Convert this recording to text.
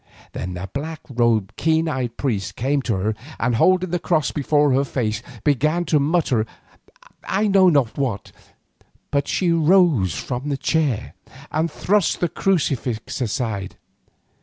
Then the black robed, keen eyed priest came to her, and holding the cross before her face, began to mutter I know not what. But she rose from the chair and thrust the crucifix aside.